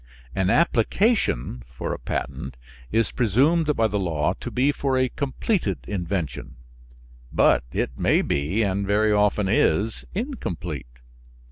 An application for a patent is presumed by the law to be for a completed invention; but it may be, and very often is, incomplete.